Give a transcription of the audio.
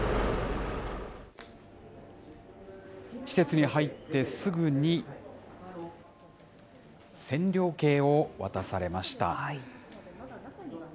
施設に入ってすぐに線量計を渡されました。